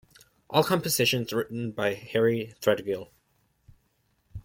All compositions written by Henry Threadgill.